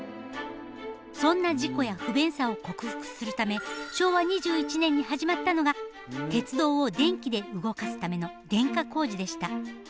そんな事故や不便さを克服するため昭和２１年に始まったのが鉄道を電気で動かすための電化工事でした。